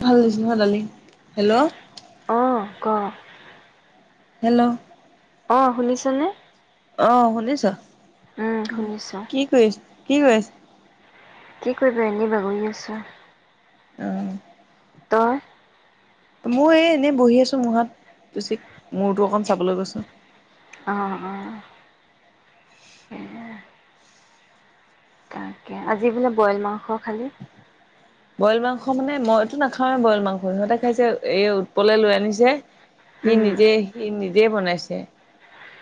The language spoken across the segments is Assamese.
ভাল লাগছে নহয় দালি হেল্ল' ক অঁ হেল্ল' অঁ শুনিছনে অঁ শুনিছ উম শুনিছোঁ। কি কৰিছ কি কৰি আছ কি কৰিব এনেই গৈ আছো অ ত মই এই এনেই বহি আছো মোৰমূৰতো অকণ চাবলৈ গৈছো। আঁহ-অঁ স আজি বোলে বইল মাংস খালী। বইল মাংস মানে মইতো নাখাওঁৱে বইল মাংস সিহঁতে খাইছে এই উৎপলে লৈ আনিছে, সি উম নিজে সি নিজে বনাইছে।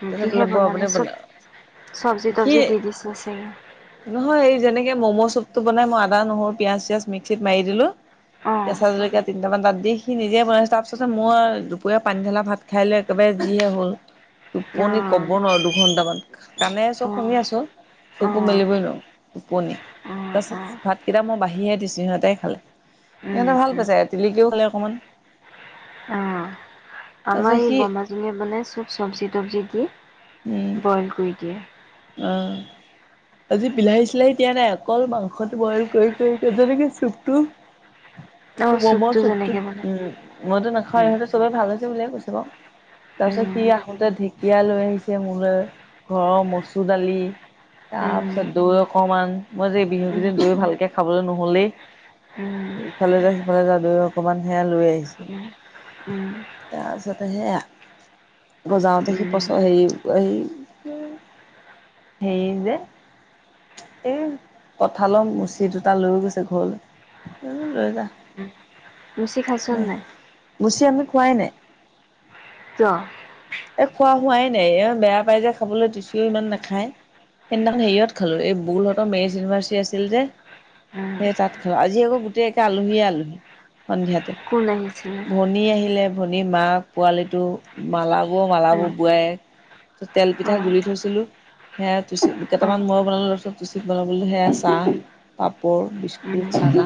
তাৰপিছত কিহে বোলে বৌ বনালে আপুনি চব বনা চবজি সি তবজি দি দিছো চাগে। কে ম'ম' চুপটো বনাই মই আদা নহৰু পিয়ঁয়াজ চিয়াজ মিক্সিত মাৰি দিলো অঁ কেঁচা জলকীয়া তিনিটামান তাত দি সি নিজে বনাইছো তাৰপিছত মই দুপৰীয়া পানী ঢালা ভাত খাই লৈ একেবাৰে যিহে হ'ল। টোপনি কব অঁ নোৱাৰো দুঘন্টামান কণে চব অঁ শুনি আছো চকো অঁ মেলিবই নোৱাৰো টোপনি অঁ অঁ তাৰপিছত ভাতকেইটা মই বাঢ়িহে দিছো সিহঁতে খালে উম সিহঁতে ভাল উম পাইছে তিলিকিও খালে অকমান অঁ আমাৰ তাৰপিছত এই সি বমাজীয়ে মানে চব চব্জি তবজি কি উম বইল কৰি দে অ আজি বিলাহী চিলাহী দিয়া নাই অকল মাংসটো বইল কৰি কৰি কৰি যেনেকে চুপটো অঁ ম চুপটো চতো যেনেকে বনাই উম মইতো নাখাওঁ উম ইহঁতে চবে ভাল হৈছে বুলিয়ে কৈছো। [inaudible] তাৰপিছত সি উম আহোতে ধিক কিয় লৈ আহিছ মোৰলৈ ঘৰৰ মচুৰ দালি উম তাৰপিছত দৈ অকমান মই যে উম বিহুকেইদিন দৈ ভালকে খাবলৈ নহলেই উম ইফালে যোৱা সিফালে যোৱা দৈ অকমান সেয়া লৈ আহিছো। উম উম, তাৰপিছতে সেয়া আকৌ যাওঁতে সি উম, পচ হেৰি এই হেৰি যে এই কঠালৰ মুচি দুটা লৈও গৈছে ঘৰলৈ লৈ যা মচি খাইচনে নাই? মুচি আমি খোৱাই নাই। কিয়? এই খোৱা হোৱাই নাই বেয়া পাই যে খাবলৈ দিছিও ইমান নাখায়। সেইদিনাখন হেৰিয়ত খালো এই বুলহঁতৰ মেৰিজ ইউনিভাৰ্চিটি আছিল যে উম, সেই তাত খালো আজি আকৌ গোটেইে আলহীয়ে আলহী সন্ধিয়াতে কোন আহিছিলে? ভনী আহিলে। ধনী মা, ‌ পোৱালিটো, মালা মালাব উম, বোৱাই ত তেল পিঠা অ', গুৰি থৈছিলো, সেয়া তুচিক কেইটামান অ', ময়ো বনালো তাৰপত তুচিক বনাবলৈ সেয়া চাহ পাপৰ বিস্কুট উম, চাহা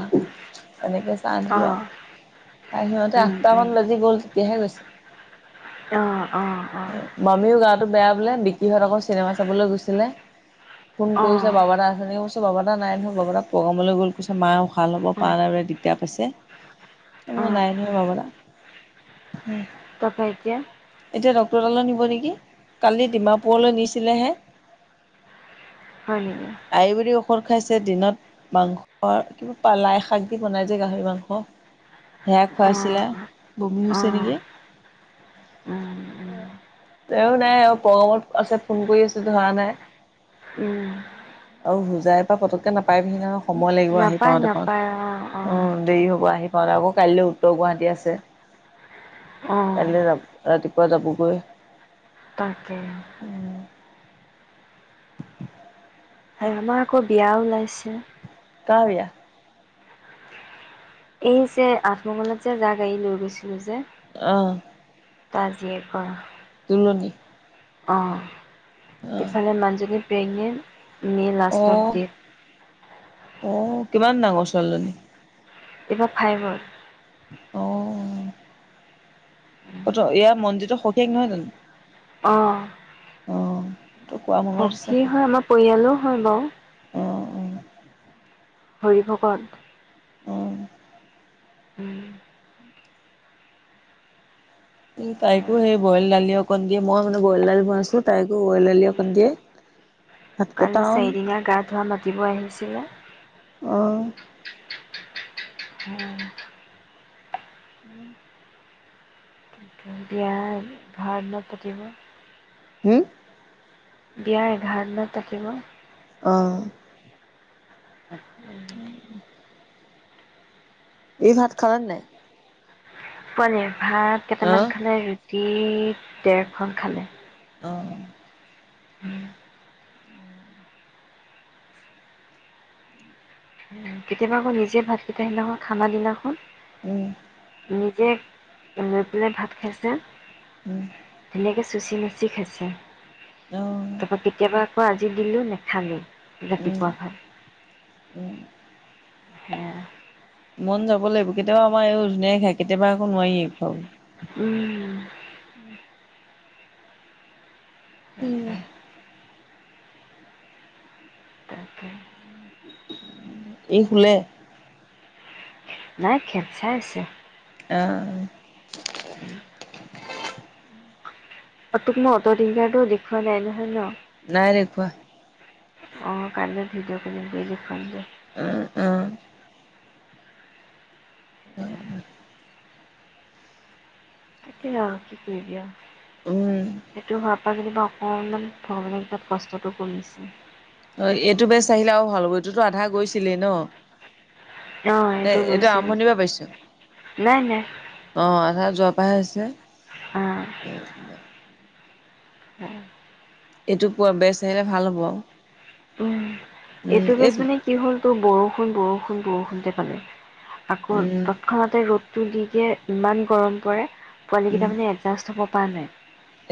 এনেকে চাহ দিলো। অ', সিহঁতে উম, আঠটামান উম, বাজি গল তেতিয়াহে গৈছে। অ', অ', মামিও গাটো বেয়া বোলে বিকি হত আকৌ চিনেমা চাবলৈ গৈছিলে। ফোন অ', কৰিছে অ', বাবা দটা আছে নেকি কৈছ বাবা দটা নাই নহয় বাবা দটা প্ৰগ্ৰামলৈ গ'ল কৈছে মায়ও ভাল হ'ব পা অ', নাই বোলে। দিগদাৰ পাইছে অ', নাই নহয় বাবা দা ত খাইতিয়া এতিয়া ড্ক্তৰ তালৈ নিব নেকি কালি ডিমাপুৰলৈ নিছিলেহে। হয় নেকি? [unintelligible] দিনত মাংস কিবা প লাই শাক দি বনাই যে গাহৰি মাংস সেয়া খুৱাইছিলে অ', বমি অ', হৈছে নেকি। উম, উম, তেওঁও নাই আৰু পগমত আছে ফোন কৰি আছো ধৰা নাই উম, আৰু হোজাই পৰা পতককে নাপায় বিহিন। সময় লাগিব আহি নাপায় পাওঁতে পাওঁতে নাপায় অ', অ', উম দেৰি হ'ব আহি। আকৌ কাইলৈ উত্তৰ গুৱাহাটী আছে। অ', এলি যাম ৰাতিপুৱা যাবগৈ। তাকেই। হয় আমাৰ আকৌ বিয়া ওলাইছে কা‌ৰ বিয়া? এই যে আঠমগলত যে যাক গাড়ী লৈ গৈছিলো যে। আহ। তাৰ জীয়েকৰ। [inaudible] আহ। অহ ইফালে মাজুলিত [inaudible] মে লাষ্ট অফ অ ডট অ' কিমান ডাঙৰ ছোৱালীজনী? এইবাৰ ফাইভৰ অ'। ইয়াৰ মন্দিৰতো [unintelligible] নহয় জানো? অহ অ তোৰ কোৱা মনত আছে সখী হয় আমাৰ পৰিয়ালোও হয় বাৰু অ', হৰিভকত অ', অ'। উম তাইকো সেই বইল দালি অকণ দিয়ে মই মানে বইল দালি বনাইছো তাইকো বইল দালি অকণ দিয়ে ভাতকেইটা কাৰনো অন চাৰিদিনীয়া গা ধোৱা মাতিব আহিছিলে আহ উম উম এতিয়া ভাৰতিনত [unintelligible] উ বিয়াৰ এঘাৰ দিনত থাকিব অহঁ [inaudible] উম উম এই ভাত খালানে নাই পনিৰ ভাত কেইটামান অ', খালে ৰি ৰুতি ডেৰখন খালে অঁ কেতিয়াবা আকৌ নিজে ভাত কেইটা সেইদিনাখন খানা দিলনাখন উম নিজে লৈ পেলাই ভাত খাইছে উম চুচী মুচি খাইছে অ', তাপা কেতিয়াবা অ আজি দিলো নেখালো উম, ৰাতিপুৱা খাই উম স মন যাব লাগিব কেতিয়াবা আমাৰ এইয়ো ধুনীয়াই খাই কেতিয়াবা একো নোৱাৰিয়ে খাৱ উম উ তাকে তাকে এই শুলে নাই খেপ চাই আছে আহ অ তোক মই অটটিংকাৰ টো দেখুুৱা নাই নহয় ন নাই দেখুৱা অ কাইলে ভিডঅ' কলিং কৰি দেখাম যে অ অ উ এতিয়া কি কৰি দিয়া উম সেইটো [unintelligible] ত কেতিয়াবা অকণমান ভগৱানে কটাত কষ্টটো কমিছে অ এইটো বেচ আহিলে আৰু ভাল হ'ব এইটোতো আধা গৈছিলেই ন অঁ এইটো গৈছিলোঁ আৰম্ভণি পৰা পাইছো নাই নাই আহ আধা যোৱা পাঁচ হাজাৰ অ তেন্ত এইটো পোৱা বেচ আহিলে ভাল হ'ব আৰু উম উম এইটো এই বেছ মানে কি হ'ল তোৰ বৰ বৰষুণ বৰষুণ বৰষুণতে পালে আকৌ উম তৎক্ষণাতে ৰ'দ টো দি কি ইমান গৰম পৰে পোৱালি উম কেইটা মান এজাষ্ট হ'ব পাল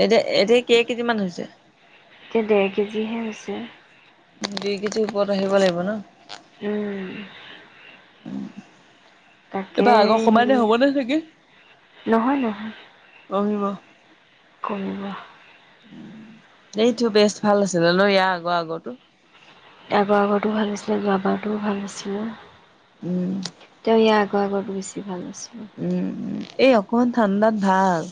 এতিয়া এতিয়া কেই কেইজি মান হৈছে এতিয়া ডেৰ কেজিহে হৈছে দুই কেজি ওপৰত আহিব লাগিব ন উম তাকে এইবাৰ আগৰ হেৰি কানে হবনে চাগে নহয় কমিব কমোৱা এইটো বেচ ভাল আছিলে ন ইয়াৰ আগৰ আগতো আগৰ আগতো ভাল আছিলে গ বাৰটোও ভাল আছিলে উম শসাগ ঘৰতটো বেছি ভাল আছে উম উম এই অকমান ঠাণ্ডাত ভাল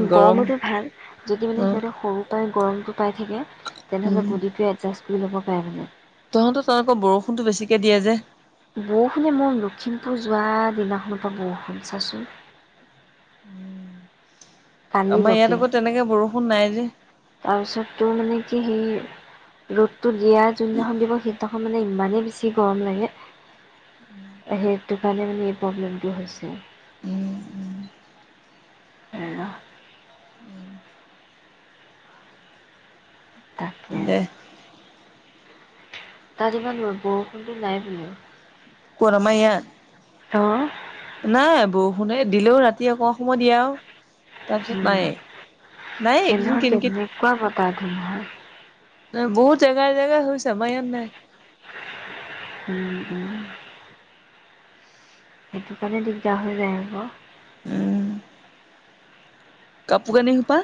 উম গৰম গৰমটো ভাল যদি মানে অ সিহঁতে সৰুৰ পৰাই গৰমটো পাই থাকে তেনেহ'লে বডী টো এটজ সিলিবকে তহঁত তাত আকৌ বৰষুণতো বেছিকে দিয়ে যে বৰষুণে মই লখিমপুৰ যোৱা দিনাখনৰ পৰা বৰষুণ চাইছোঁ আমাৰ কালিলৈকে ইয়াত আকৌ তেনেকে বৰষুণ নাই যে তাৰপিছত তোৰ মানে কি সেই ত দিয়া যোনদিনাখন দিবস শি তখন মানে ইমানেই বেছি গৰম লাগে সেইটো কাৰণে মানে এই প্ৰব্লেমটো হৈছে উম উম এ তাকে দে তাত ইমান মই বৰষুণটো নাই বোলে। [unintelligible] আহ। নাই বৰষুণে দিলেও ৰাতি অকৌ সময় দিয়া আৰু তাৰপিছত উম নায়ে। নাই [unintelligible] একদম কিনকিত তেনেকুৱা বতাহ ধুমহা। ন বহুত জেগাৰ জেগা হৈছে আমাৰ ইয়াত নাই। উম উ। সেইটো কাৰণে দিগদাৰ হৈ যায় আকৌ। উম। কাপোৰ কানি সোপা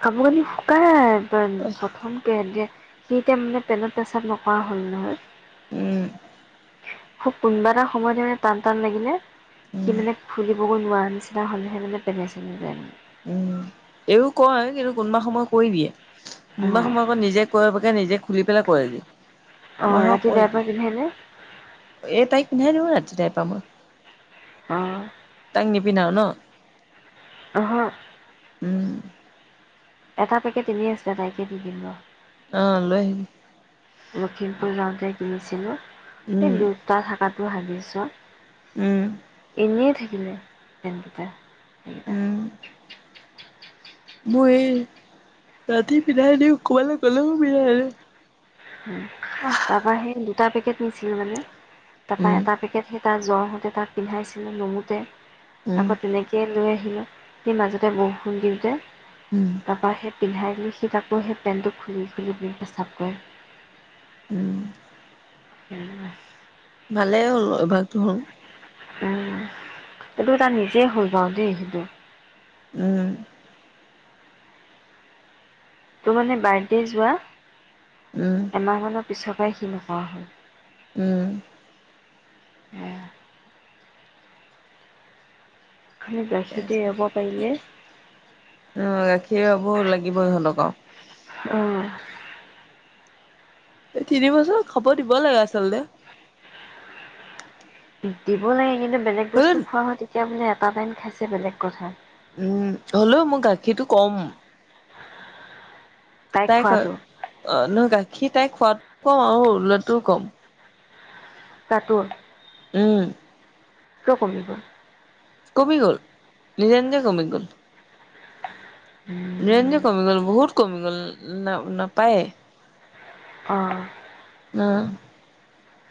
কাপোৰ কানি শুকালে। প্ৰথম কে সে এতিয়া মানে পেন্টত প্ৰেচাৱ নকৰা হ'ল নহয়। উম। খুব কোনোবা এটা সময়ত মানে টান টান লাগিলে সি উম মানে ফৰি [unintelligible] নিচিনা হ'লেহে মানে [unintelligible] লাইছে উম এইয়ও কয় কিন্তু কোনবা সময় কৰিব দিয়ে। ইমান অ', সময় আকৌ নিজে কৰিবকে নিজে খুলি পেলাই কৰে যে অ', [unintelligible] ৰাতি কৈ ডাইপাৰ দিয়ে পিন্ধেনে? এই তাইক পিন্ধাই দিব নেতি টাই পাম আহ। বিনা ন অহ। উম। এটা পেকেট এনে আছো তাইকে দি দিম ৰ। অ লৈ আহিবি। লখিমপুৰ যাওঁতে কিনিছিলো। স উম, দুটা থাকাত টো ভাবিছোঁ উম, ইনে থ জিলে তেনকটা সেই মই এই ৰাতি বিধাই দিওঁ ক'বালৈ গ'লেও বিধাই আৰু উ তাৰ পৰা সেই দুটা পেকেট নিছিল মানে তাৰপ উম, তপি কে টা জ্বৰ হওঁতে তাক পিন্ধাইছিলোঁ নুমুতে উম, আকৌ তেনেকে লৈ সেই মাজতে বৰষুণ দিওঁতে উম, তাৰপা সে পিন্ধাই দে সি তকো সি পেণ্টটো খুলি খুলি পেচাব কৰে উম উম খালে হ'ল এভাগতো হল উম [unintelligible] সেইটো টা নিজে হ'ল বাও দেই সেইটো উম তোৰ মানে বাৰ্থডে যোৱা উম, এমাহ মানৰ পিছত [unintelligible] নকোৱা হয় উম উ [inaudible] খালি গাখীৰটো এৰাব পাৰিলে [unintelligible] আ উ গাখীৰ হব লাগিব ইহঁতক আও আহঁ [inaudible] এই তিন বছৰ খবৰ দিব লাগে আচলতে প দিব লাগে কিন্তু বেলেগ বস্তু হ'লেও খোৱা হয় তেতিয়া বোলে পাবান খাইছে বেলেগ কথা উম হ'লেও মই গাখীৰটো কম তাই ক অ নহয় গাখীৰ তাই খোৱাত কম আৰু লটোও কম কা তোৰ উম কিয় কমিল বা কমি গল নিজে নিজে কমি গল নিজে উম, নিজে কমি গ'ল বহুত কমি গ'ল না নাপায় অঁ অ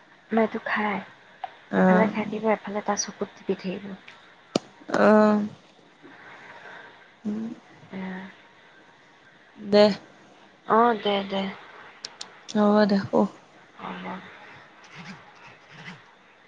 [unintelligible] এফালে খাই অ থাকিব এফালে তাৰ চকুত দি থাকিব আহ উম দে অ দে দে অ' দেখো [unintelligible]